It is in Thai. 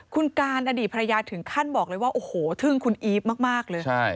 คุณการอดีตภรรยาถึงขั้นบอกเลยว่าโอ้โหทึ่งคุณอีฟมากเลย